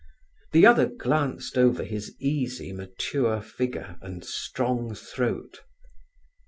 The other glanced over his easy, mature figure and strong throat.